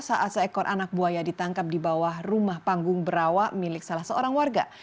saat seekor anak buaya ditangkap di bawah rumah panggung berawak milik salah seorang warga